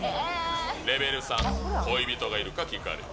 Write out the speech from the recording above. レベル３、恋人がいるか聞かれる。